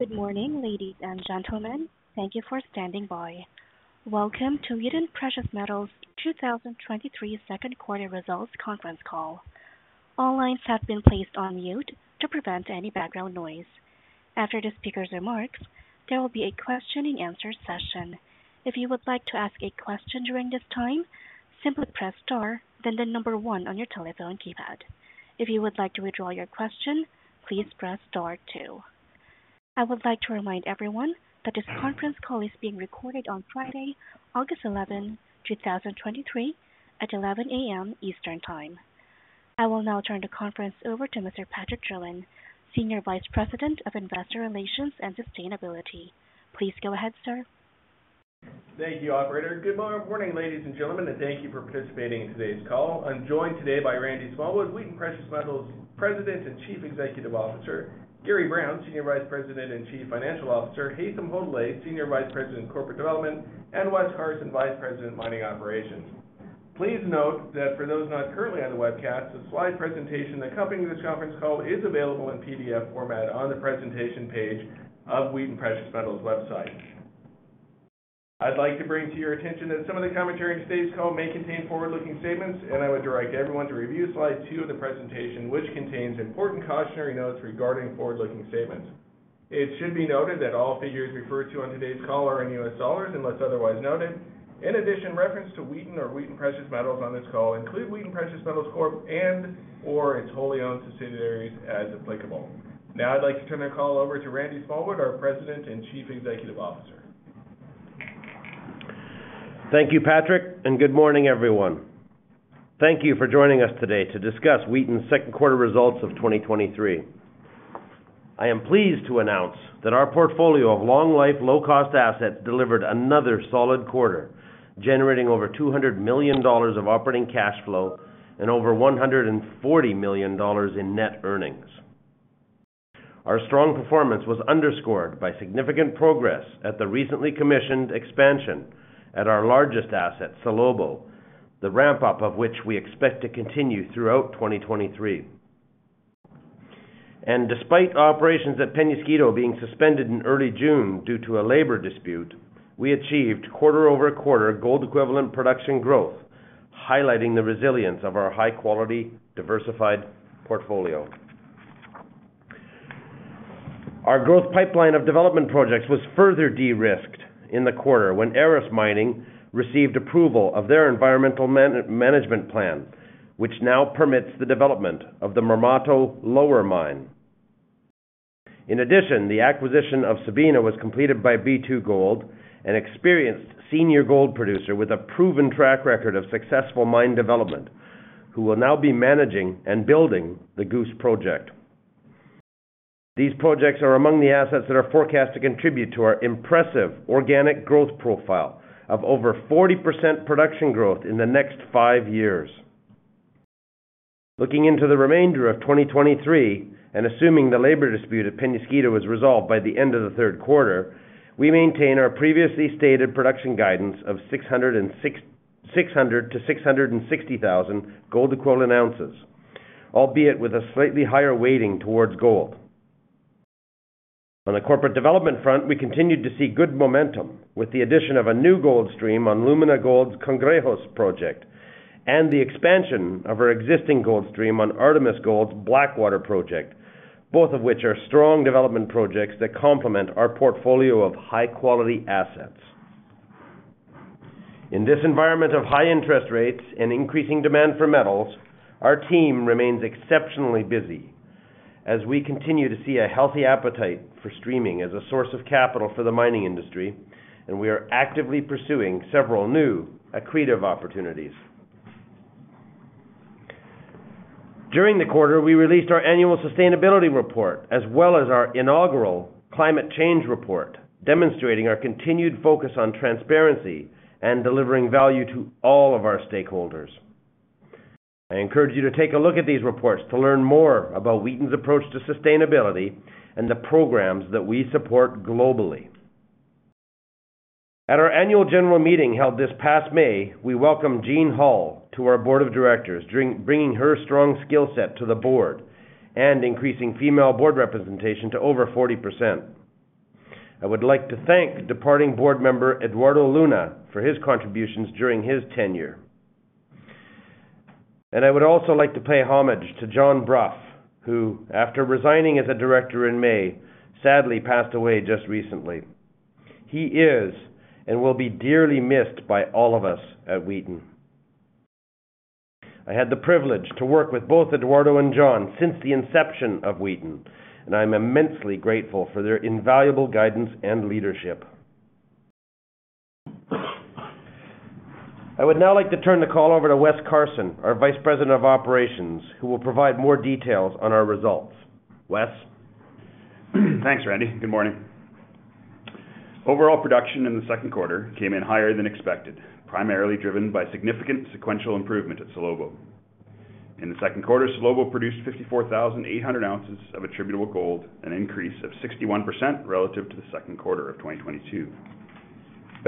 Good morning, ladies and gentlemen. Thank you for standing by. Welcome to Wheaton Precious Metals' 2023 second quarter results conference call. All lines have been placed on mute to prevent any background noise. After the speaker's remarks, there will be a questioning answer session. If you would like to ask a question during this time, simply press star, then one on your telephone keypad. If you would like to withdraw your question, please press star two. I would like to remind everyone that this conference call is being recorded on Friday, August 11, 2023 at 11:00 A.M. Eastern Time. I will now turn the conference over to Mr. Patrick Drouin, Senior Vice President of Investor Relations and Sustainability. Please go ahead, sir. Thank you, Operator. Good morning, ladies and gentlemen, and thank you for participating in today's call. I'm joined today by Randy Smallwood, Wheaton Precious Metals' President and Chief Executive Officer, Gary Brown, Senior Vice President and Chief Financial Officer, Haytham Hodaly, Senior Vice President, Corporate Development, and Wes Carson, Vice President, Mining Operations. Please note that for those not currently on the webcast, the slide presentation accompanying this conference call is available in PDF format on the presentation page of Wheaton Precious Metals' website. I'd like to bring to your attention that some of the commentary in today's call may contain forward-looking statements, and I would direct everyone to review slide 2 of the presentation, which contains important cautionary notes regarding forward-looking statements. It should be noted that all figures referred to on today's call are in US dollars, unless otherwise noted. In addition, reference to Wheaton or Wheaton Precious Metals on this call include Wheaton Precious Metals Corp. and/or its wholly owned subsidiaries as applicable. I'd like to turn the call over to Randy Smallwood, our President and Chief Executive Officer. Thank you, Patrick, and good morning, everyone. Thank you for joining us today to discuss Wheaton's second quarter results of 2023. I am pleased to announce that our portfolio of long-life, low-cost assets delivered another solid quarter, generating over $200 million of operating cash flow and over $140 million in net earnings. Our strong performance was underscored by significant progress at the recently commissioned expansion at our largest asset, Salobo, the ramp-up of which we expect to continue throughout 2023. Despite operations at Peñasquito being suspended in early June due to a labor dispute, we achieved quarter-over-quarter gold equivalent production growth, highlighting the resilience of our high-quality, diversified portfolio. Our growth pipeline of development projects was further de-risked in the quarter when Aris Mining received approval of their environmental management plan, which now permits the development of the Marmato Lower Mine. In addition, the acquisition of Sabina was completed by B2Gold, an experienced senior gold producer with a proven track record of successful mine development, who will now be managing and building the Goose project. These projects are among the assets that are forecast to contribute to our impressive organic growth profile of over 40% production growth in the next 5 years. Looking into the remainder of 2023 and assuming the labor dispute at Peñasquito is resolved by the end of the third quarter, we maintain our previously stated production guidance of 600,000-660,000 gold equivalent ounces, albeit with a slightly higher weighting towards gold. On the corporate development front, we continued to see good momentum, with the addition of a new gold stream on Lumina Gold's Cangrejos project and the expansion of our existing gold stream on Artemis Gold's Blackwater project, both of which are strong development projects that complement our portfolio of high-quality assets. In this environment of high interest rates and increasing demand for metals, our team remains exceptionally busy as we continue to see a healthy appetite for streaming as a source of capital for the mining industry, and we are actively pursuing several new accretive opportunities. During the quarter, we released our annual sustainability report, as well as our inaugural climate change report, demonstrating our continued focus on transparency and delivering value to all of our stakeholders. I encourage you to take a look at these reports to learn more about Wheaton's approach to sustainability and the programs that we support globally. At our annual general meeting held this past May, we welcomed Jean Hall to our board of directors, bringing her strong skill set to the board and increasing female board representation to over 40%. I would like to thank departing board member, Eduardo Luna, for his contributions during his tenure. I would also like to pay homage to John Brough, who, after resigning as a director in May, sadly passed away just recently. He is and will be dearly missed by all of us at Wheaton. I had the privilege to work with both Eduardo and John since the inception of Wheaton, and I'm immensely grateful for their invaluable guidance and leadership. I would now like to turn the call over to Wes Carson, our Vice President of Operations, who will provide more details on our results. Wes? Thanks, Randy. Good morning. Overall production in the second quarter came in higher than expected, primarily driven by significant sequential improvement at Salobo. In the second quarter, Salobo produced 54,800 ounces of attributable gold, an increase of 61% relative to the second quarter of 2022.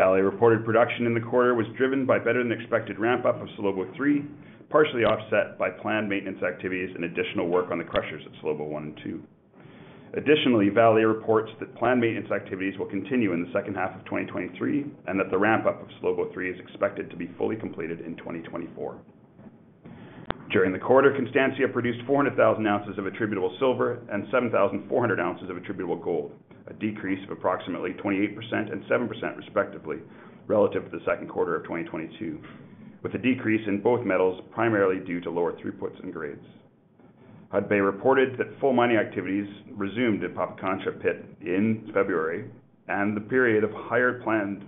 Vale reported production in the quarter was driven by better-than-expected ramp-up of Salobo three, partially offset by planned maintenance activities and additional work on the crushers at Salobo one and two. Vale reports that planned maintenance activities will continue in the second half of 2023, and that the ramp-up of Salobo three is expected to be fully completed in 2024. During the quarter, Constancia produced 400,000 ounces of attributable silver and 7,400 ounces of attributable gold, a decrease of approximately 28% and 7% respectively, relative to the second quarter of 2022, with a decrease in both metals primarily due to lower throughputs and grades. Hudbay reported that full mining activities resumed at Pampacancha pit in February, and the period of higher planned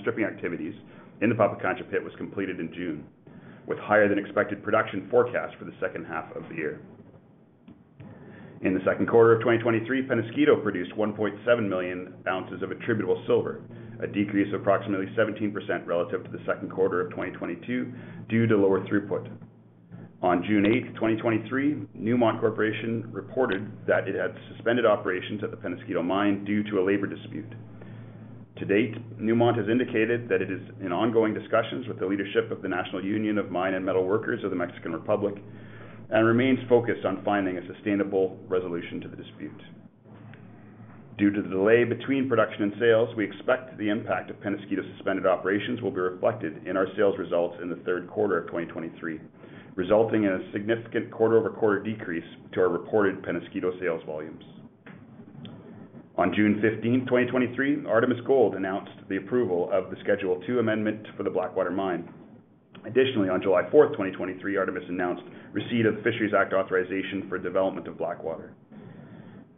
stripping activities in the Pampacancha pit was completed in June, with higher-than-expected production forecast for the second half of the year. In the second quarter of 2023, Peñasquito produced 1.7 million ounces of attributable silver, a decrease of approximately 17% relative to the second quarter of 2022, due to lower throughput. On June 8, 2023, Newmont Corporation reported that it had suspended operations at the Peñasquito Mine due to a labor dispute. To date, Newmont has indicated that it is in ongoing discussions with the leadership of the National Union of Mine and Metal Workers of the Mexican Republic, and remains focused on finding a sustainable resolution to the dispute. Due to the delay between production and sales, we expect the impact of Peñasquito's suspended operations will be reflected in our sales results in the third quarter of 2023, resulting in a significant quarter-over-quarter decrease to our reported Peñasquito sales volumes. On June 15, 2023, Artemis Gold announced the approval of the Schedule Two amendment for the Blackwater Mine. Additionally, on July 4, 2023, Artemis announced receipt of the Fisheries Act authorization for development of Blackwater.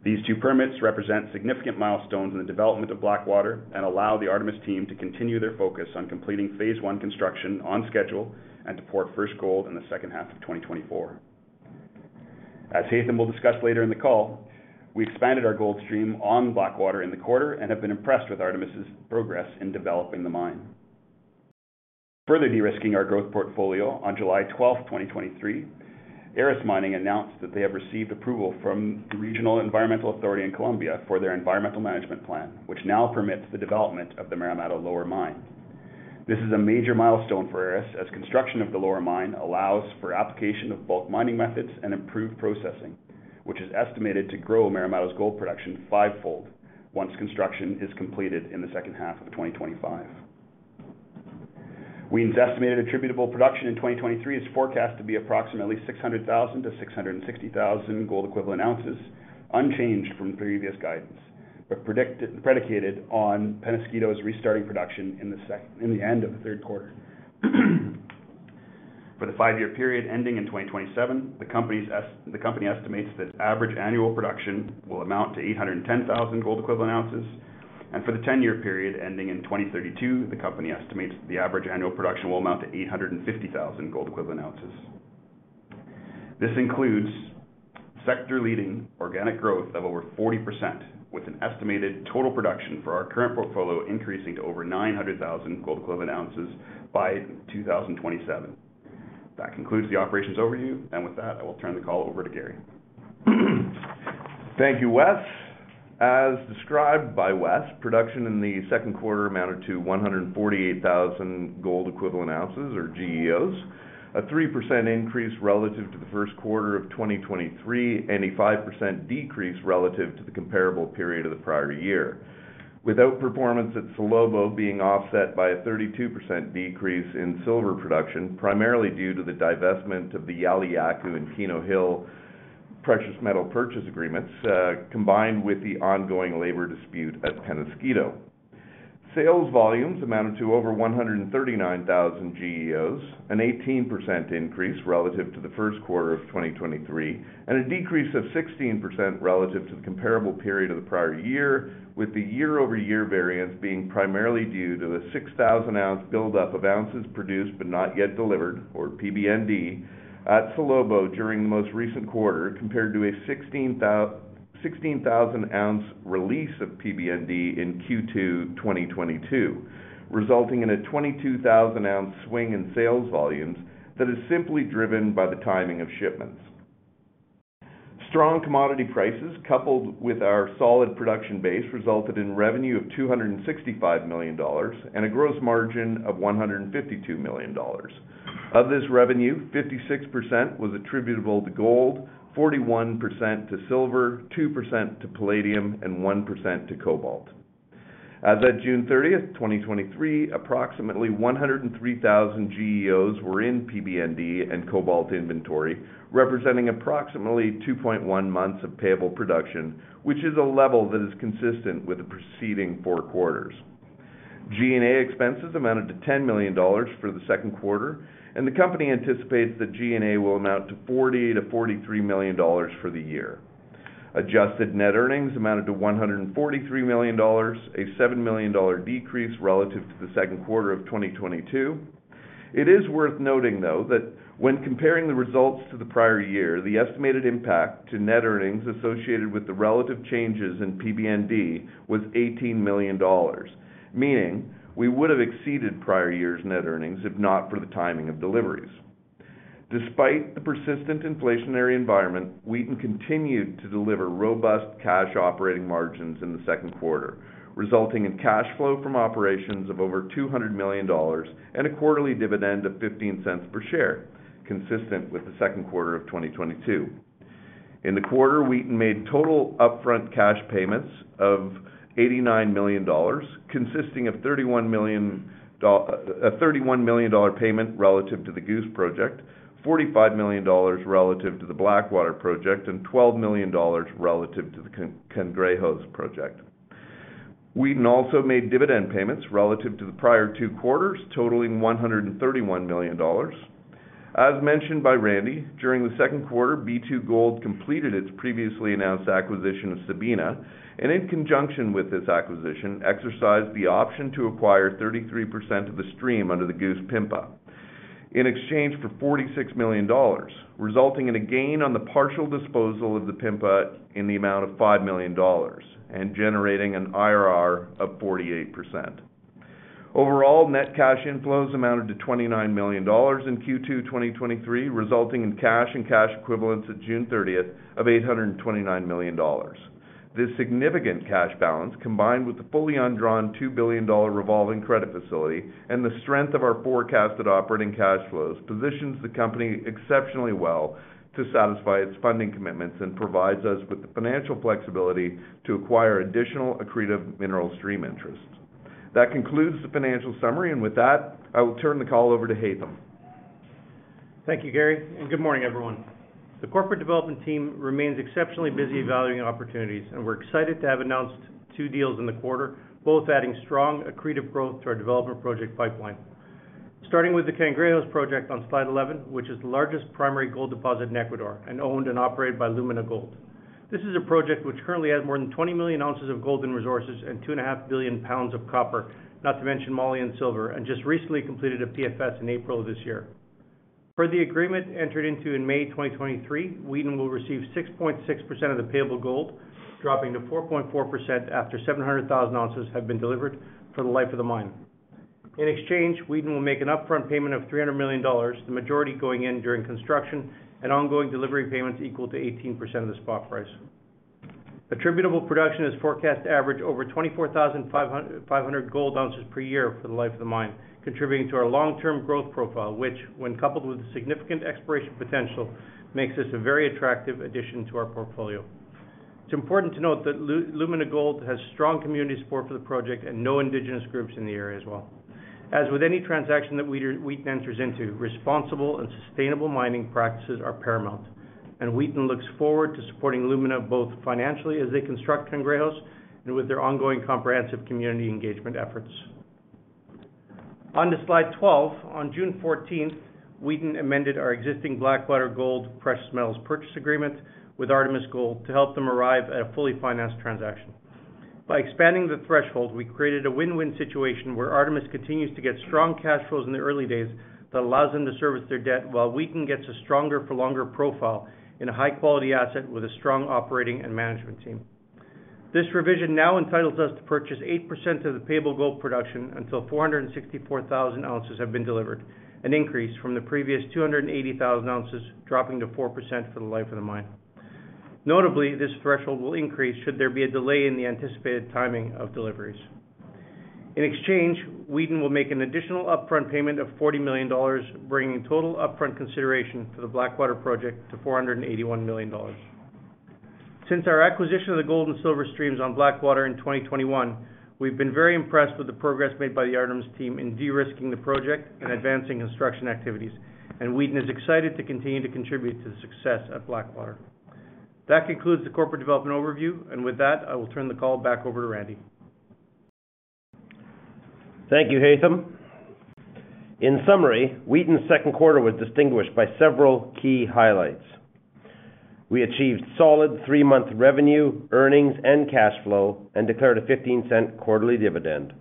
These 2 permits represent significant milestones in the development of Blackwater and allow the Artemis team to continue their focus on completing phase 1 construction on schedule and to pour first gold in the second half of 2024. As Haytham will discuss later in the call, we expanded our gold stream on Blackwater in the quarter and have been impressed with Artemis's progress in developing the mine. Further de-risking our growth portfolio, on July 12, 2023, Aris Mining announced that they have received approval from the Regional Environmental Authority in Colombia for their environmental management plan, which now permits the development of the Marmato Lower Mine. This is a major milestone for Aris Mining, as construction of the lower mine allows for application of both mining methods and improved processing, which is estimated to grow Marmato's gold production fivefold once construction is completed in the second half of 2025. Wheaton's estimated attributable production in 2023 is forecast to be approximately 600,000-660,000 gold equivalent ounces, unchanged from previous guidance, predicated on Peñasquito's restarting production in the end of the third quarter. For the 5-year period ending in 2027, the company estimates that average annual production will amount to 810,000 gold equivalent ounces. For the 10-year period ending in 2032, the company estimates the average annual production will amount to 850,000 gold equivalent ounces. This includes sector-leading organic growth of over 40%, with an estimated total production for our current portfolio increasing to over 900,000 gold equivalent ounces by 2027. That concludes the operations overview, and with that, I will turn the call over to Gary. Thank you, Wes. As described by Wes, production in the second quarter amounted to 148,000 gold equivalent ounces, or GEOs, a 3% increase relative to the first quarter of 2023, and a 5% decrease relative to the comparable period of the prior year. Without performance at Salobo being offset by a 32% decrease in silver production, primarily due to the divestment of the Yauliyacu and Keno Hill Precious Metal Purchase Agreements, combined with the ongoing labor dispute at Peñasquito. Sales volumes amounted to over 139,000 GEOs, an 18% increase relative to the first quarter of 2023, and a decrease of 16% relative to the comparable period of the prior year, with the year-over-year variance being primarily due to a 6,000-ounce buildup of ounces produced but not yet delivered, or PBND, at Salobo during the most recent quarter, compared to a 16,000-ounce release of PBND in Q2 2022, resulting in a 22,000-ounce swing in sales volumes that is simply driven by the timing of shipments. Strong commodity prices, coupled with our solid production base, resulted in revenue of $265 million and a gross margin of $152 million. Of this revenue, 56% was attributable to gold, 41% to silver, 2% to palladium, and 1% to cobalt. As of June 30, 2023, approximately 103,000 GEOs were in PBND and cobalt inventory, representing approximately 2.1 months of payable production, which is a level that is consistent with the preceding 4 quarters. G&A expenses amounted to $10 million for the second quarter, and the company anticipates that G&A will amount to $40 million-$43 million for the year. Adjusted net earnings amounted to $143 million, a $7 million decrease relative to the second quarter of 2022. It is worth noting, though, that when comparing the results to the prior year, the estimated impact to net earnings associated with the relative changes in PBND was $18 million, meaning we would have exceeded prior year's net earnings if not for the timing of deliveries.... Despite the persistent inflationary environment, Wheaton continued to deliver robust cash operating margins in the second quarter, resulting in cash flow from operations of over $200 million and a quarterly dividend of $0.15 per share, consistent with the second quarter of 2022. In the quarter, Wheaton made total upfront cash payments of $89 million, consisting of a $31 million payment relative to the Goose project, $45 million relative to the Blackwater project, and $12 million relative to the Cangrejos project. Wheaton also made dividend payments relative to the prior two quarters, totaling $131 million. As mentioned by Randy, during the second quarter, B2Gold completed its previously announced acquisition of Sabina, and in conjunction with this acquisition, exercised the option to acquire 33% of the stream under the Goose PMPA in exchange for $46 million, resulting in a gain on the partial disposal of the PMPA in the amount of $5 million and generating an IRR of 48%. Overall, net cash inflows amounted to $29 million in Q2 2023, resulting in cash and cash equivalents at June 30th of $829 million. This significant cash balance, combined with the fully undrawn $2 billion revolving credit facility and the strength of our forecasted operating cash flows, positions the company exceptionally well to satisfy its funding commitments and provides us with the financial flexibility to acquire additional accretive mineral stream interests. That concludes the financial summary, and with that, I will turn the call over to Haytham. Thank you, Gary, and good morning, everyone. The corporate development team remains exceptionally busy evaluating opportunities, and we're excited to have announced two deals in the quarter, both adding strong accretive growth to our development project pipeline. Starting with the Cangrejos project on slide 11, which is the largest primary gold deposit in Ecuador and owned and operated by Lumina Gold. This is a project which currently has more than 20 million ounces of gold and resources and 2.5 billion pounds of copper, not to mention moly and silver, and just recently completed a PFS in April of this year. Per the agreement entered into in May 2023, Wheaton will receive 6.6% of the payable gold, dropping to 4.4% after 700,000 ounces have been delivered for the life of the mine. In exchange, Wheaton will make an upfront payment of $300 million, the majority going in during construction and ongoing delivery payments equal to 18% of the spot price. Attributable production is forecast to average over 24,500 gold ounces per year for the life of the mine, contributing to our long-term growth profile, which, when coupled with significant exploration potential, makes this a very attractive addition to our portfolio. It's important to note that Lumina Gold has strong community support for the project and no indigenous groups in the area as well. As with any transaction that Wheaton enters into, responsible and sustainable mining practices are paramount, Wheaton looks forward to supporting Lumina, both financially as they construct Cangrejos and with their ongoing comprehensive community engagement efforts. On to slide 12. On June 14th, Wheaton amended our existing Blackwater Gold Precious Metals Purchase Agreement with Artemis Gold to help them arrive at a fully financed transaction. By expanding the threshold, we created a win-win situation where Artemis continues to get strong cash flows in the early days that allows them to service their debt, while Wheaton gets a stronger for longer profile in a high-quality asset with a strong operating and management team. This revision now entitles us to purchase 8% of the payable gold production until 464,000 ounces have been delivered, an increase from the previous 280,000 ounces, dropping to 4% for the life of the mine. Notably, this threshold will increase should there be a delay in the anticipated timing of deliveries. In exchange, Wheaton will make an additional upfront payment of $40 million, bringing total upfront consideration to the Blackwater project to $481 million. Since our acquisition of the gold and silver streams on Blackwater in 2021, we've been very impressed with the progress made by the Artemis team in de-risking the project and advancing construction activities, and Wheaton is excited to continue to contribute to the success of Blackwater. That concludes the corporate development overview. With that, I will turn the call back over to Randy. Thank you, Haytham. In summary, Wheaton's second quarter was distinguished by several key highlights. We achieved solid three-month revenue, earnings, and cash flow, and declared a $0.15 quarterly dividend.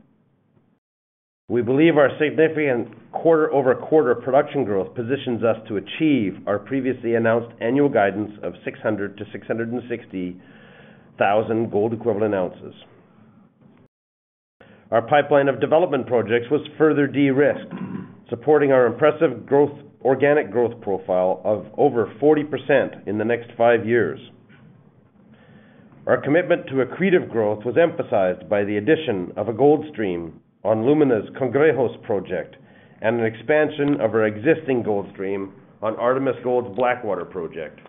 We believe our significant quarter-over-quarter production growth positions us to achieve our previously announced annual guidance of 600,000-660,000 gold equivalent ounces. Our pipeline of development projects was further de-risked, supporting our impressive growth, organic growth profile of over 40% in the next five years. Our commitment to accretive growth was emphasized by the addition of a gold stream on Lumina's Cangrejos project and an expansion of our existing gold stream on Artemis Gold's Blackwater project.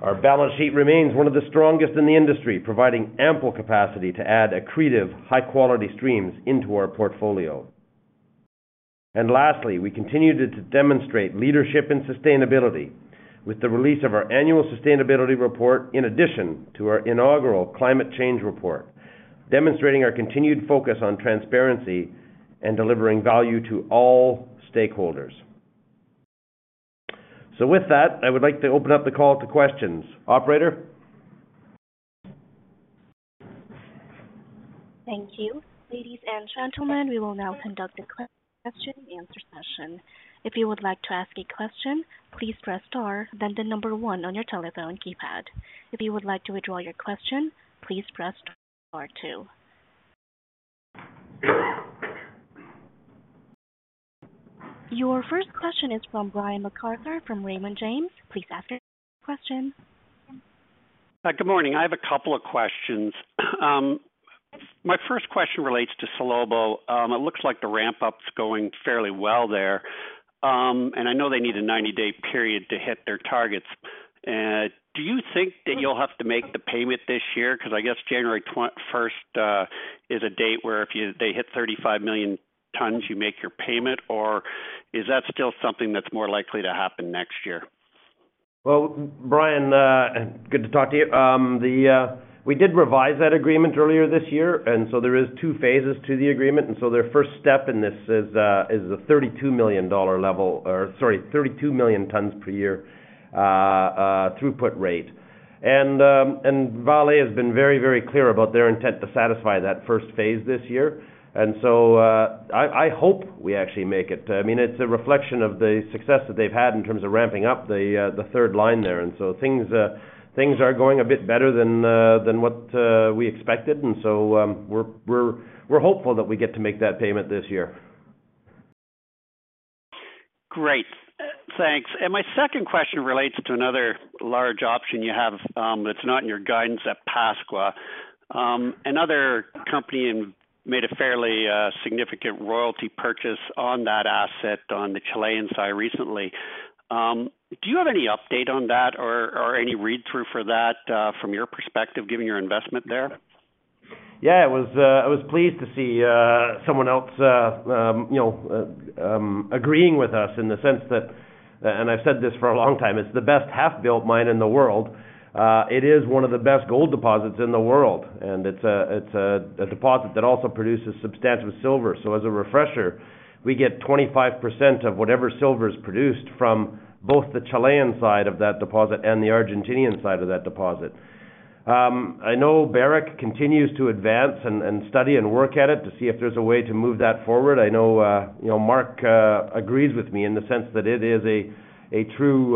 Our balance sheet remains one of the strongest in the industry, providing ample capacity to add accretive, high-quality streams into our portfolio. Lastly, we continue to demonstrate leadership and sustainability with the release of our annual sustainability report, in addition to our inaugural climate change report, demonstrating our continued focus on transparency and delivering value to all stakeholders. With that, I would like to open up the call to questions. Operator? Thank you. Ladies and gentlemen, we will now conduct a question and answer session. If you would like to ask a question, please press star, then star on your telephone keypad. If you would like to withdraw your question, please press star two. Your first question is from Brian MacArthur from Raymond James. Please ask your question. Hi, good morning. I have a couple of questions. My first question relates to Salobo. It looks like the ramp-up's going fairly well there. I know they need a 90-day period to hit their targets. Do you think that you'll have to make the payment this year? Because I guess January twen- first, is a date where if you, they hit 35 million tons, you make your payment, or is that still something that's more likely to happen next year? Well, Brian, good to talk to you. The, we did revise that agreement earlier this year, there is 2 phases to the agreement. Their first step in this is a $32 million level, or sorry, 32 million tons per year throughput rate. Vale has been very, very clear about their intent to satisfy that first phase this year. I, I hope we actually make it. I mean, it's a reflection of the success that they've had in terms of ramping up the third line there. Things are going a bit better than what we expected. We're, we're, we're hopeful that we get to make that payment this year. Great! Thanks. My second question relates to another large option you have, that's not in your guidance at Pascua-Lama. Another company made a fairly significant royalty purchase on that asset on the Chilean side recently. Do you have any update on that or, or any read-through for that, from your perspective, given your investment there? Yeah, I was pleased to see someone else, you know, agreeing with us in the sense that, and I've said this for a long time, it's the best half-built mine in the world. It is one of the best gold deposits in the world, and it's a, it's a, a deposit that also produces substantial silver. As a refresher, we get 25% of whatever silver is produced from both the Chilean side of that deposit and the Argentinian side of that deposit. I know Barrick continues to advance and, and study and work at it to see if there's a way to move that forward. I know, you know, Mark, agrees with me in the sense that it is a, a true,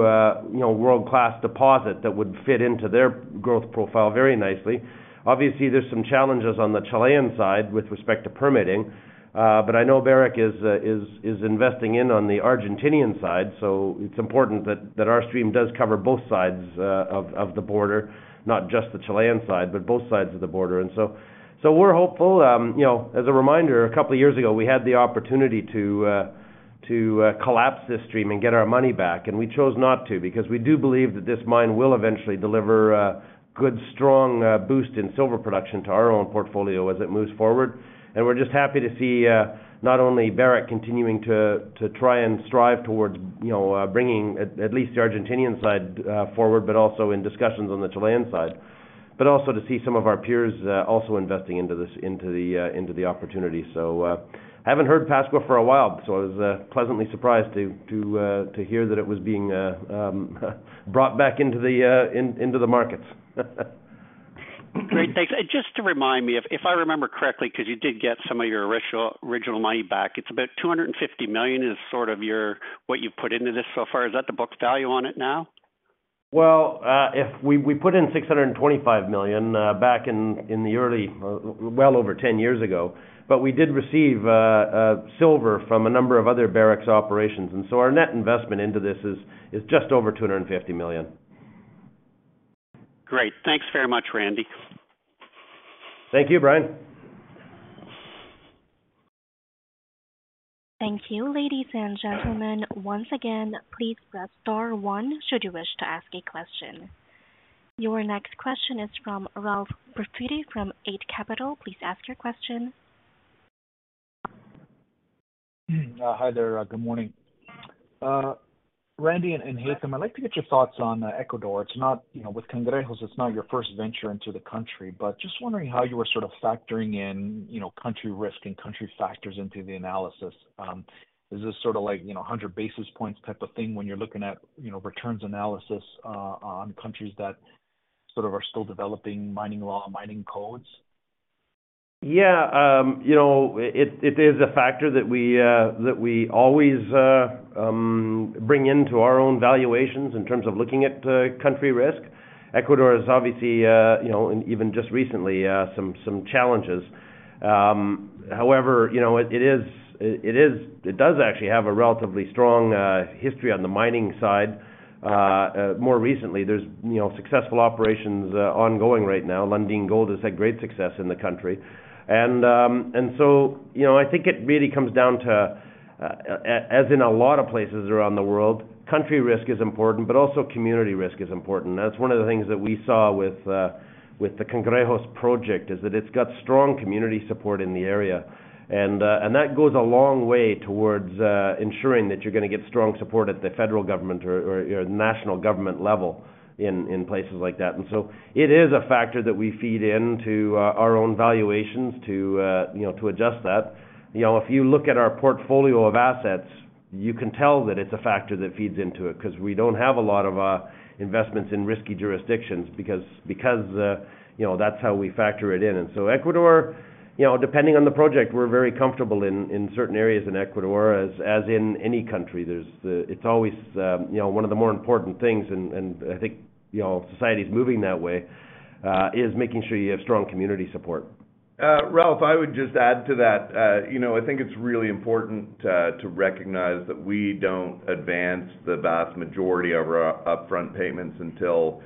you know, world-class deposit that would fit into their growth profile very nicely. Obviously, there's some challenges on the Chilean side with respect to permitting, but I know Barrick is, is, is investing in on the Argentinian side, so it's important that, that our stream does cover both sides, of, of the border, not just the Chilean side, but both sides of the border. So, so we're hopeful. You know, as a reminder, a couple of years ago, we had the opportunity to, to, collapse this stream and get our money back, and we chose not to, because we do believe that this mine will eventually deliver a good, strong, boost in silver production to our own portfolio as it moves forward. We're just happy to see, not only Barrick continuing to try and strive towards, you know, bringing at least the Argentinian side, forward, also in discussions on the Chilean side. Also to see some of our peers, also investing into this, into the opportunity. I haven't heard Pascua-Lama for a while, so I was pleasantly surprised to hear that it was being brought back into the markets. Great. Thanks. Just to remind me, if, if I remember correctly, because you did get some of your original, original money back, it's about $250 million is sort of your, what you've put into this so far. Is that the book value on it now? Well, if we, we put in $625 million, back in, in the early... Well, over 10 years ago, but we did receive silver from a number of other Barrick's operations, and so our net investment into this is, is just over $250 million. Great. Thanks very much, Randy. Thank you, Brian. Thank you. Ladies and gentlemen, once again, please press star one, should you wish to ask a question. Your next question is from Ralph Profiti, from Eight Capital. Please ask your question. Hi there. Good morning. Randy and Haytham, I'd like to get your thoughts on Ecuador. It's not, you know, with Cangrejos, it's not your first venture into the country, but just wondering how you are sort of factoring in, you know, country risk and country factors into the analysis. Is this sort of like, you know, 100 basis points type of thing when you're looking at, you know, returns analysis on countries that sort of are still developing mining law, mining codes? Yeah, you know, it, it is a factor that we, that we always, bring into our own valuations in terms of looking at, country risk. Ecuador is obviously, you know, and even just recently, some, some challenges. However, you know, it does actually have a relatively strong history on the mining side. More recently, there's, you know, successful operations, ongoing right now. Lundin Gold has had great success in the country. So, you know, I think it really comes down to, as in a lot of places around the world, country risk is important, but also community risk is important. That's one of the things that we saw with, with the Cangrejos project, is that it's got strong community support in the area. That goes a long way towards ensuring that you're gonna get strong support at the federal government or, or national government level in, in places like that. So it is a factor that we feed into our own valuations to, you know, to adjust that. You know, if you look at our portfolio of assets, you can tell that it's a factor that feeds into it, because we don't have a lot of investments in risky jurisdictions because, because, you know, that's how we factor it in. So Ecuador, you know, depending on the project, we're very comfortable in, in certain areas in Ecuador, as, as in any country. It's always, you know, one of the more important things, and I think, you know, society is moving that way.... is making sure you have strong community support. Ralph, I would just add to that. You know, I think it's really important to recognize that we don't advance the vast majority of our upfront payments until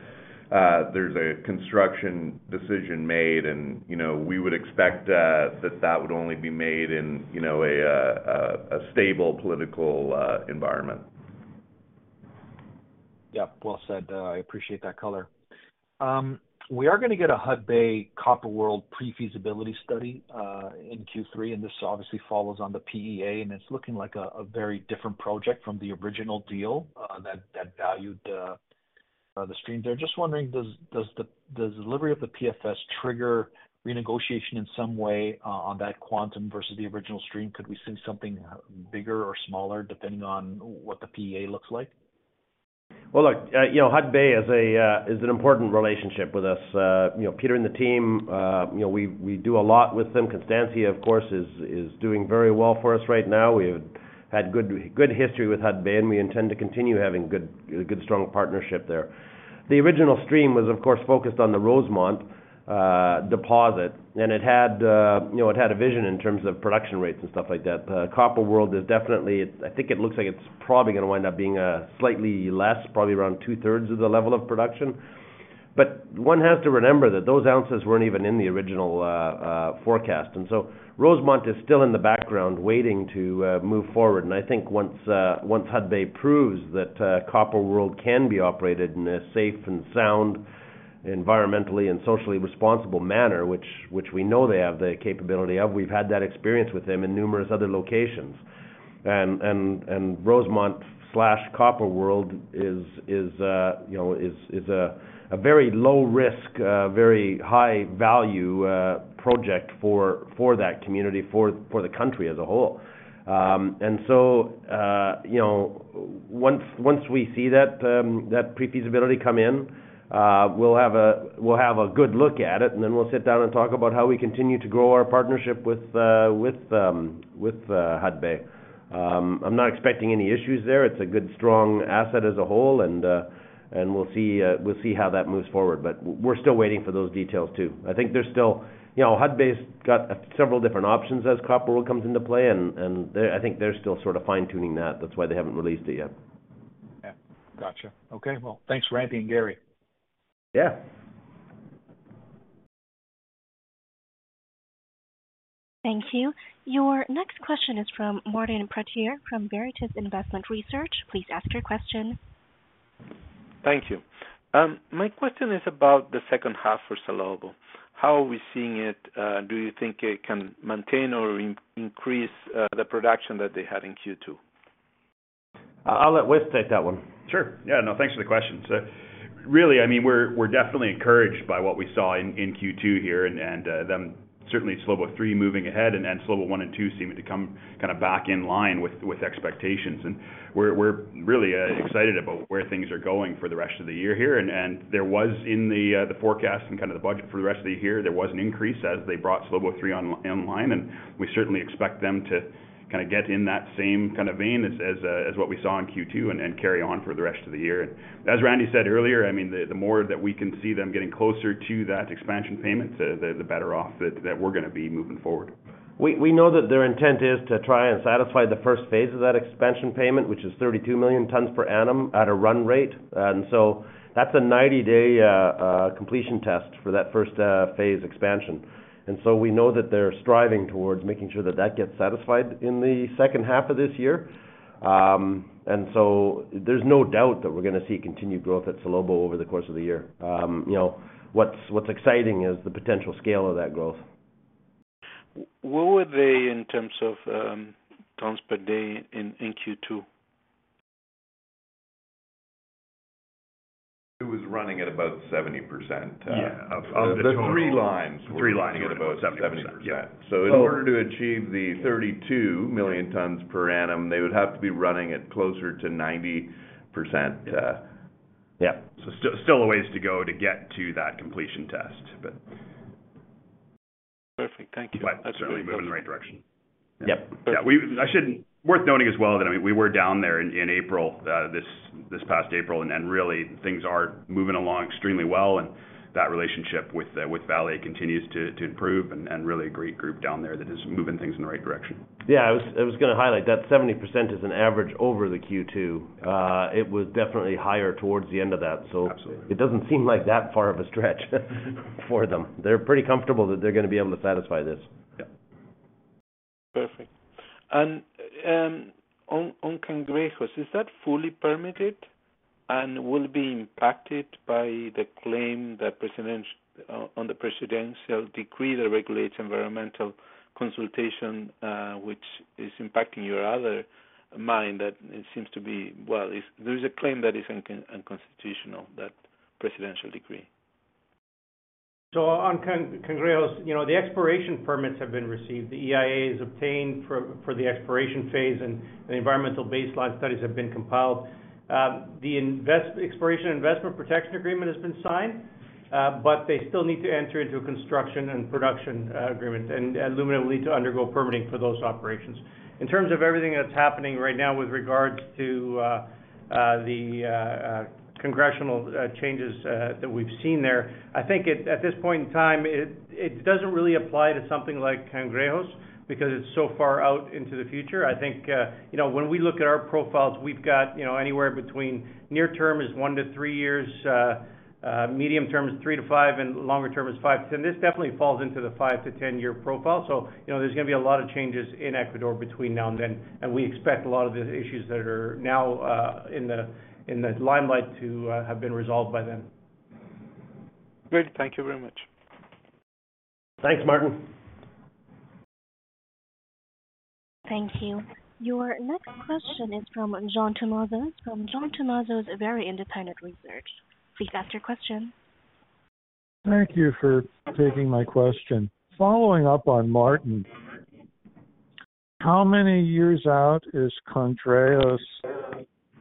there's a construction decision made, and, you know, we would expect that that would only be made in, you know, a, a stable political environment. Yeah, well said. I appreciate that color. We are gonna get a Hudbay Copper World Pre-Feasibility Study in Q3, and this obviously follows on the PEA, and it's looking like a very different project from the original deal that valued the stream there. Just wondering, does, does the, does delivery of the PFS trigger renegotiation in some way on that quantum versus the original stream? Could we see something bigger or smaller, depending on what the PEA looks like? Well, look, you know, Hudbay is a, is an important relationship with us. You know, Peter and the team, you know, we, we do a lot with them. Constancia, of course, is, is doing very well for us right now. We've had good, good history with Hudbay, and we intend to continue having good, a good, strong partnership there. The original stream was, of course, focused on the Rosemont deposit, and it had, you know, it had a vision in terms of production rates and stuff like that. Copper World is definitely... I think it looks like it's probably gonna wind up being slightly less, probably around two-thirds of the level of production. One has to remember that those ounces weren't even in the original forecast. Rosemont is still in the background, waiting to move forward. I think once, once Hudbay proves that Copper World can be operated in a safe and sound, environmentally and socially responsible manner, which, which we know they have the capability of. We've had that experience with them in numerous other locations. Rosemont/Copper World is, is a, you know, is, is a, a very low risk, very high value project for, for that community, for, for the country as a whole. You know, once, once we see that, that pre-feasibility come in, we'll have a, we'll have a good look at it, and then we'll sit down and talk about how we continue to grow our partnership with, with, with Hudbay. I'm not expecting any issues there. It's a good, strong asset as a whole, and we'll see, we'll see how that moves forward, but we're still waiting for those details, too. I think they're still. You know, Hudbay's got several different options as Copper World comes into play, and they- I think they're still sort of fine-tuning that. That's why they haven't released it yet. Yeah. Gotcha. Okay, well, thanks, Randy and Gary. Yeah. Thank you. Your next question is from Martin Pradier from Veritas Investment Research. Please ask your question. Thank you. My question is about the second half for Salobo. How are we seeing it? Do you think it can maintain or increase the production that they had in Q2? I'll let Wes take that one. Sure. Yeah, no, thanks for the question. Really, I mean, we're, we're definitely encouraged by what we saw in, in Q2 here and, and them certainly Salobo 3 moving ahead, and then Salobo 1 and 2 seem to come kind of back in line with, with expectations. We're, we're really excited about where things are going for the rest of the year here. There was in the the forecast and kind of the budget for the rest of the year, there was an increase as they brought Salobo 3 online, and we certainly expect them to kind of get in that same kind of vein as, as what we saw in Q2 and, and carry on for the rest of the year. As Randy said earlier, I mean, the, the more that we can see them getting closer to that expansion payment, the, the better off that, that we're gonna be moving forward. We know that their intent is to try and satisfy the first phase of that expansion payment, which is 32 million tons per annum at a run rate. That's a 90-day completion test for that first phase expansion. We know that they're striving towards making sure that that gets satisfied in the second half of this year. There's no doubt that we're gonna see continued growth at Salobo over the course of the year. You know, what's exciting is the potential scale of that growth. Where were they in terms of, tons per day in, in Q2? It was running at about 70%. Yeah, of, of the total. The 3 lines- Three lines. were running at about 70%. Yeah. In order to achieve the 32 million tons per annum, they would have to be running it closer to 90%. Yeah. Still a ways to go to get to that completion test. Perfect. Thank you. Certainly moving in the right direction. Yep. Yeah, Worth noting as well, that, I mean, we were down there in, in April, this, this past April, and, and really, things are moving along extremely well, and that relationship with, with Vale continues to, to improve, and, and really a great group down there that is moving things in the right direction. Yeah, I was, I was gonna highlight that 70% is an average over the Q2. It was definitely higher towards the end of that, so-. Absolutely... it doesn't seem like that far of a stretch for them. They're pretty comfortable that they're gonna be able to satisfy this. Yeah. Perfect. On Cangrejos, is that fully permitted and will be impacted by the claim that on the presidential decree that regulates environmental consultation, which is impacting your other mine, that it seems to be -- well, if there is a claim that is unconstitutional, that presidential decree? On Cangrejos, you know, the exploration permits have been received. The EIA is obtained for, for the exploration phase, and the environmental baseline studies have been compiled. The exploration investment protection agreement has been signed, but they still need to enter into a construction and production agreement, and Lumina will need to undergo permitting for those operations. In terms of everything that's happening right now with regards to the congressional changes that we've seen there, I think at, at this point in time, it, it doesn't really apply to something like Cangrejos, because it's so far out into the future. I think, you know, when we look at our profiles, we've got, you know, anywhere between near term is 1-3 years, medium term is 3-5, and longer term is 5-10. This definitely falls into the 5-10-year profile. You know, there's gonna be a lot of changes in Ecuador between now and then, and we expect a lot of the issues that are now, in the, in the limelight to, have been resolved by then. Great. Thank you very much. Thanks, Martin. Thank you. Your next question is from John Tumazos, from John Tumazos Very Independent Research. Please ask your question. Thank you for taking my question. Following up on Martin, how many years out is Cangrejos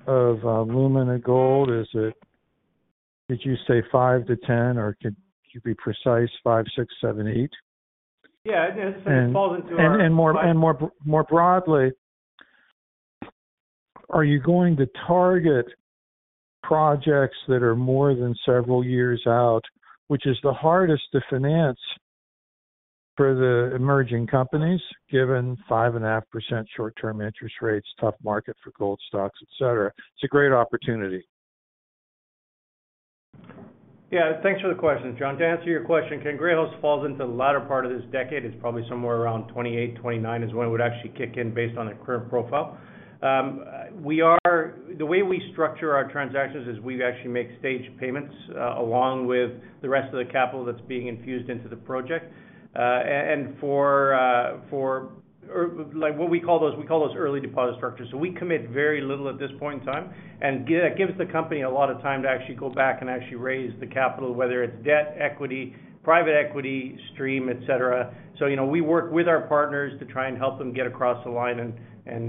of Lumina Gold? Is it... Did you say 5-10, or could you be precise, 5, 6, 7, 8? Yeah, I guess it falls into. More, and more, more broadly, are you going to target projects that are more than several years out, which is the hardest to finance for the emerging companies, given 5.5% short-term interest rates, tough market for gold stocks, et cetera? It's a great opportunity. Yeah, thanks for the question, John. To answer your question, Cangrejos falls into the latter part of this decade. It's probably somewhere around 2028, 2029 is when it would actually kick in based on the current profile. The way we structure our transactions is we actually make staged payments, along with the rest of the capital that's being infused into the project. And for, for, like, what we call those? We call those early deposit structures. We commit very little at this point in time, and it gives the company a lot of time to actually go back and actually raise the capital, whether it's debt, equity, private equity, stream, et cetera. You know, we work with our partners to try and help them get across the line. You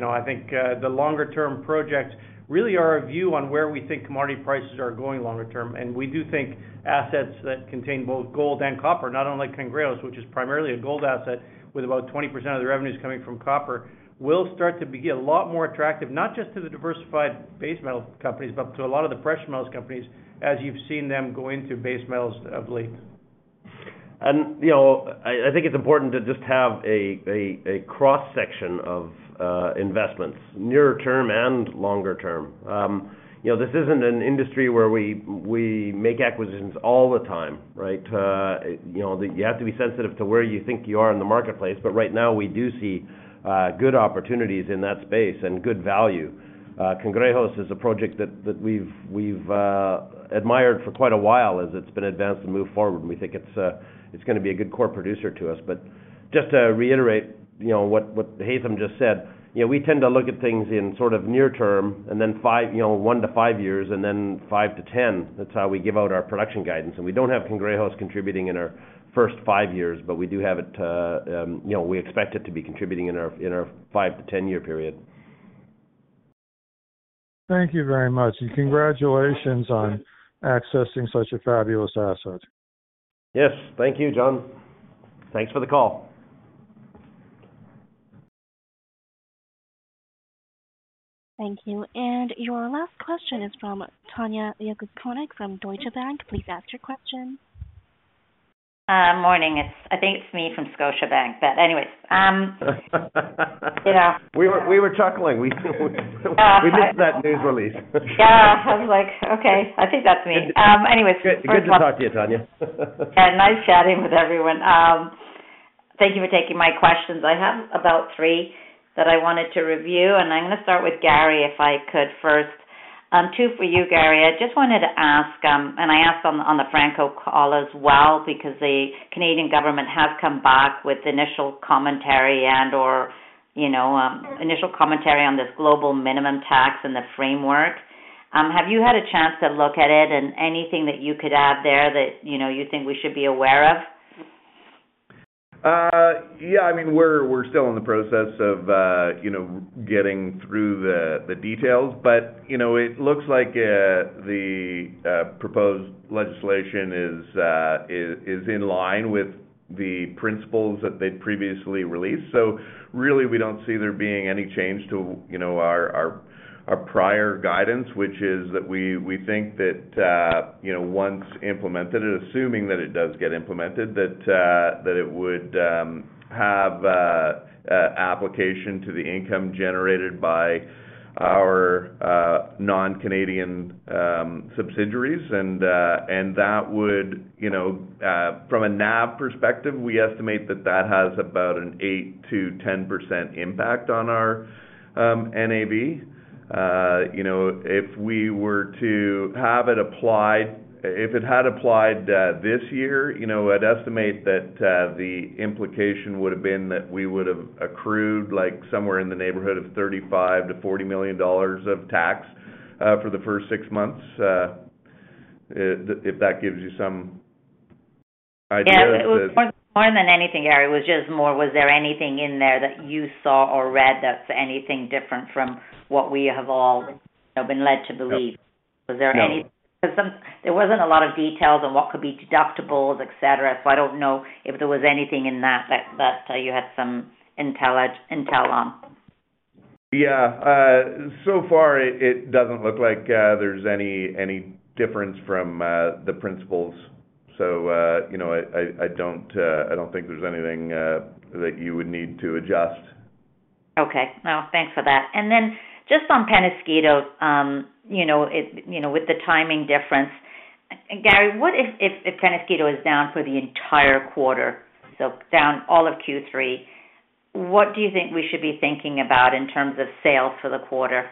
know, I think, the longer-term projects really are a view on where we think commodity prices are going longer term. We do think assets that contain both gold and copper, not unlike Cangrejos, which is primarily a gold asset, with about 20% of the revenues coming from copper, will start to be a lot more attractive, not just to the diversified base metal companies, but to a lot of the Precious Metals companies, as you've seen them going through base metals of late. You know, I, I think it's important to just have a, a, a cross-section of investments, nearer term and longer term. You know, this isn't an industry where we, we make acquisitions all the time, right? You know, you have to be sensitive to where you think you are in the marketplace. Right now we do see good opportunities in that space and good value. Cangrejos is a project that, that we've, we've admired for quite a while as it's been advanced and moved forward, and we think it's gonna be a good core producer to us. Just to reiterate, you know, what, what Haytham just said, you know, we tend to look at things in sort of near term and then, you know, 1 to 5 years and then 5 to 10. That's how we give out our production guidance. We don't have Cangrejos contributing in our first 5 years, but we do have it, you know, we expect it to be contributing in our, in our 5 to 10-year period. Thank you very much. Congratulations on accessing such a fabulous asset. Yes, thank you, John. Thanks for the call. Thank you. Your last question is from Tanya Jakusconek from Scotiabank. Please ask your question. Morning. I think it's me from Scotiabank, but anyways, yeah. We were chuckling. We missed that news release. Yeah, I was like, "Okay, I think that's me." anyways- Good to talk to you, Tanya. Yeah, nice chatting with everyone. Thank you for taking my questions. I have about three that I wanted to review, and I'm gonna start with Gary, if I could first. Two for you, Gary. I just wanted to ask, and I asked on the, on the Franco call as well, because the Canadian government has come back with initial commentary and/or, you know, initial commentary on this global minimum tax and the framework. Have you had a chance to look at it and anything that you could add there that, you know, you think we should be aware of? Yeah, I mean, we're, we're still in the process of getting through the details. It looks like the proposed legislation is in line with the principles that they'd previously released. Really, we don't see there being any change to our, our, our prior guidance, which is that we, we think that once implemented and assuming that it does get implemented, that it would have application to the income generated by our non-Canadian subsidiaries. And that would, from a NAV perspective, we estimate that that has about an 8%-10% impact on our NAV. You know, if it had applied, this year, you know, I'd estimate that, the implication would have been that we would have accrued like somewhere in the neighborhood of $35 million-$40 million of tax. For the first six months, if that gives you some idea? Yeah, it was more, more than anything, Gary, it was just more, was there anything in there that you saw or read that's anything different from what we have all, you know, been led to believe? No. Was there because some, there wasn't a lot of details on what could be deductibles, et cetera, so I don't know if there was anything in that, that, that, you had some intel on. Yeah. so far, it, it doesn't look like, there's any, any difference from, the principles. you know, I, I, I don't, I don't think there's anything, that you would need to adjust. Okay. Well, thanks for that. Then just on Peñasquito, you know, it, you know, with the timing difference, Gary, what if Peñasquito is down for the entire quarter, so down all of Q3, what do you think we should be thinking about in terms of sales for the quarter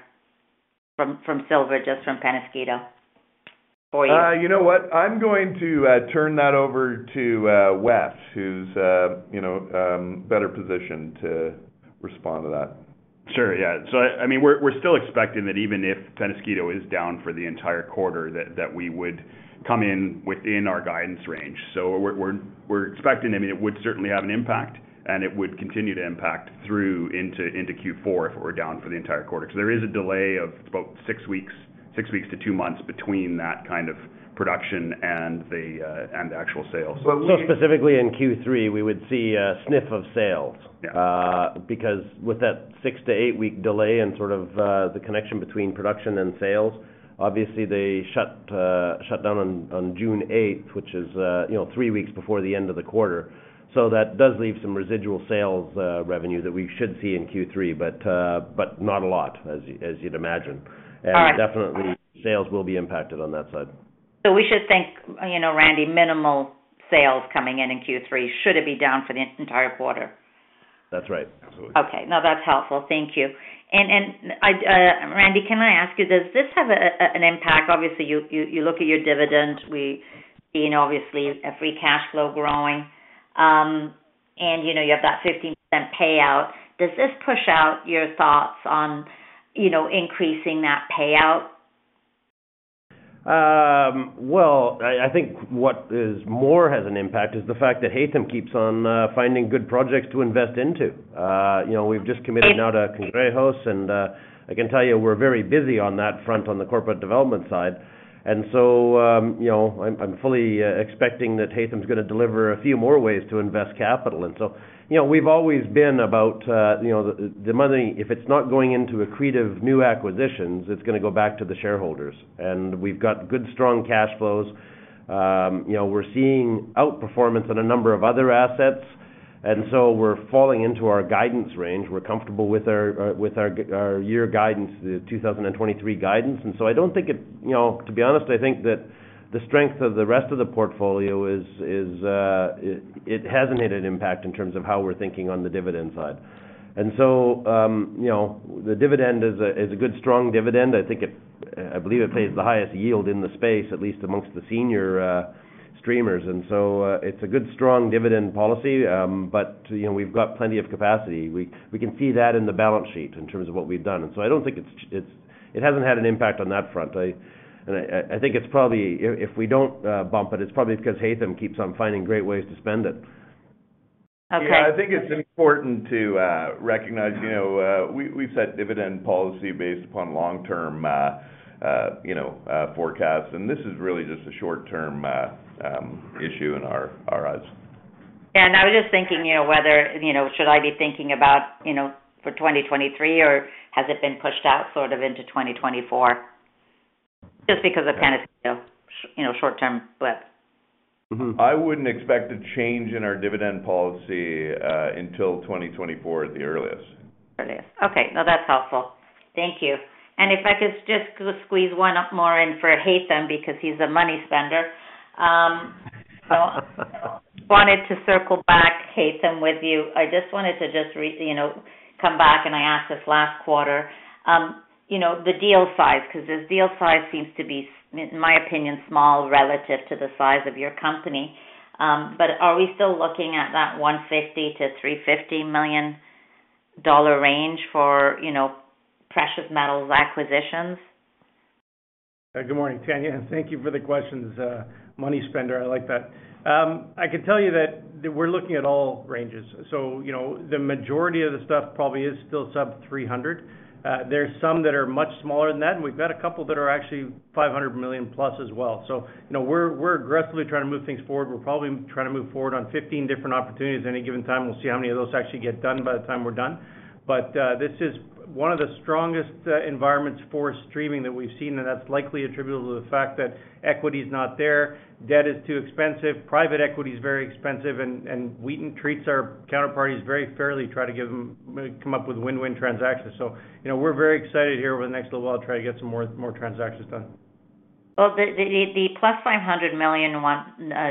from silver, just from Peñasquito for you? You know what? I'm going to turn that over to Wes, who's, you know, better positioned to respond to that. Sure, yeah. I mean, we're, we're still expecting that even if Peñasquito is down for the entire quarter, that, that we would come in within our guidance range. We're, we're, we're expecting, I mean, it would certainly have an impact, and it would continue to impact through into, into Q4 if it were down for the entire quarter. There is a delay of about 6 weeks, 6 weeks to 2 months between that kind of production and the and the actual sales. Well, specifically in Q3, we would see a sniff of sales. Yeah. Because with that six to eight week delay and sort of, the connection between production and sales, obviously, they shut, shut down on, on June eighth, which is, you know, three weeks before the end of the quarter. That does leave some residual sales, revenue that we should see in Q3, but not a lot, as you, as you'd imagine. All right. Definitely, sales will be impacted on that side. We should think, you know, Randy, minimal sales coming in in Q3, should it be down for the entire quarter? That's right. Absolutely. Okay. No, that's helpful. Thank you. And I, Randy, can I ask you, does this have an impact? Obviously, you look at your dividend, we seeing obviously a free cash flow growing, and, you know, you have that 15% payout. Does this push out your thoughts on, you know, increasing that payout? Well, I, I think what is more has an impact is the fact that Haytham keeps on finding good projects to invest into. You know, we've just committed now to Cangrejos, and I can tell you we're very busy on that front, on the corporate development side. You know, I'm, I'm fully expecting that Haytham's gonna deliver a few more ways to invest capital. You know, we've always been about, you know, the, the money, if it's not going into accretive new acquisitions, it's gonna go back to the shareholders. We've got good, strong cash flows. You know, we're seeing outperformance in a number of other assets, and so we're falling into our guidance range. We're comfortable with our year guidance, the 2023 guidance. You know, to be honest, I think that the strength of the rest of the portfolio is, it hasn't had an impact in terms of how we're thinking on the dividend side. You know, the dividend is a good, strong dividend. I think it, I believe it pays the highest yield in the space, at least amongst the senior streamers. It's a good, strong dividend policy, but, you know, we've got plenty of capacity. We, we can see that in the balance sheet in terms of what we've done, and so I don't think it hasn't had an impact on that front. I, I think it's probably, if we don't, bump it, it's probably because Haytham keeps on finding great ways to spend it. Okay. Yeah, I think it's important to recognize, you know, we, we've set dividend policy based upon long-term, you know, forecasts, and this is really just a short-term issue in our, our eyes. Yeah, I was just thinking, you know, whether, you know, should I be thinking about, you know, for 2023, or has it been pushed out sort of into 2024, just because of Peñasquito, you know, short-term blip? I wouldn't expect a change in our dividend policy, until 2024 at the earliest. Earliest. Okay, no, that's helpful. Thank you. If I could just squeeze one more in for Haytham, because he's a money spender. Wanted to circle back, Haytham, with you. I just wanted to you know, come back, and I asked this last quarter, you know, the deal size, because this deal size seems to be, in my opinion, small relative to the size of your company. Are we still looking at that $150 million-$350 million range for, you know, precious metals acquisitions? Good morning, Tanya, and thank you for the questions. Money spender, I like that. I can tell you that, that we're looking at all ranges. You know, the majority of the stuff probably is still sub $300 million. There are some that are much smaller than that, and we've got a couple that are actually $500 million plus as well. You know, we're aggressively trying to move things forward. We're probably trying to move forward on 15 different opportunities at any given time. We'll see how many of those actually get done by the time we're done. This is one of the strongest environments for streaming that we've seen, and that's likely attributable to the fact that equity is not there, debt is too expensive, private equity is very expensive, and, and Wheaton treats our counterparties very fairly, try to come up with win-win transactions. You know, we're very excited here over the next little while to try to get some more, more transactions done. Well, the, the, the plus $500 million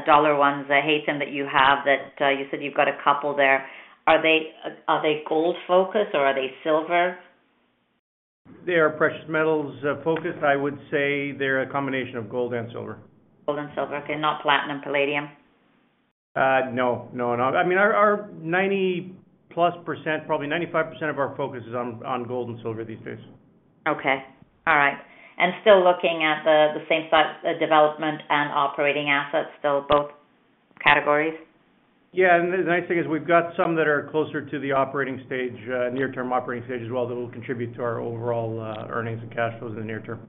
dollar ones, Haytham, that you have, that, you said you've got a couple there. Are they, are they gold focused or are they silver? They are precious metals, focused. I would say they're a combination of gold and silver. Gold and silver. Okay, not platinum, palladium? No. No, not... I mean, our, our 90+% probably 95% of our focus is on, on gold and silver these days. Okay, all right. Still looking at the, the same set, development and operating assets, still both categories? Yeah, the nice thing is we've got some that are closer to the operating stage, near-term operating stage as well, that will contribute to our overall earnings and cash flows in the near term.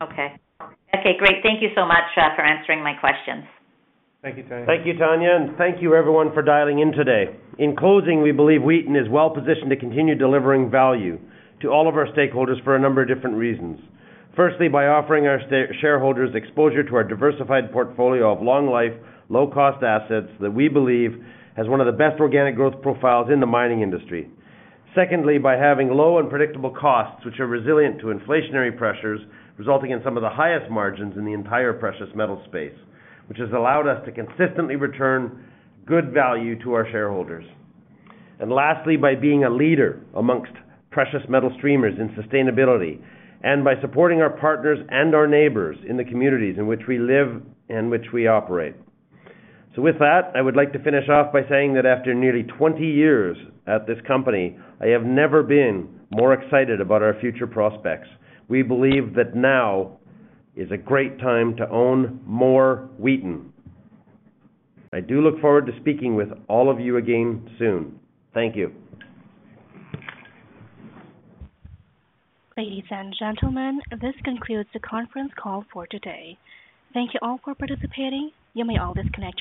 Okay. Okay, great. Thank you so much for answering my questions. Thank you, Tanya. Thank you, Tanya, and thank you everyone for dialing in today. In closing, we believe Wheaton is well-positioned to continue delivering value to all of our stakeholders for a number of different reasons. Firstly, by offering our shareholders exposure to our diversified portfolio of long-life, low-cost assets that we believe has one of the best organic growth profiles in the mining industry. Secondly, by having low and predictable costs, which are resilient to inflationary pressures, resulting in some of the highest margins in the entire precious metal space, which has allowed us to consistently return good value to our shareholders. Lastly, by being a leader amongst precious metal streamers in sustainability, and by supporting our partners and our neighbors in the communities in which we live and which we operate. With that, I would like to finish off by saying that after nearly 20 years at this company, I have never been more excited about our future prospects. We believe that now is a great time to own more Wheaton. I do look forward to speaking with all of you again soon. Thank you. Ladies and gentlemen, this concludes the conference call for today. Thank you all for participating. You may all disconnect your lines.